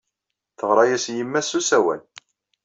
Teɣra-as i yemma-s s usawal.